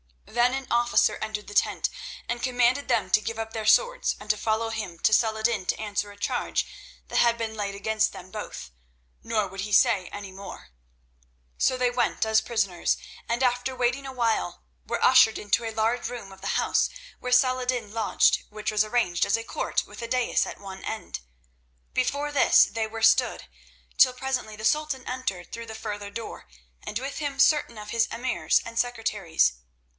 Then an officer entered the tent, and commanded them to give up their swords and to follow him to Saladin to answer a charge that had been laid against them both, nor would he say any more. So they went as prisoners, and after waiting awhile, were ushered into a large room of the house where Saladin lodged, which was arranged as a court with a dais at one end. Before this they were stood, till presently the Sultan entered through the further door, and with him certain of his emirs and secretaries.